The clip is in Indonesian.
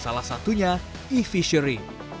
salah satunya e fishery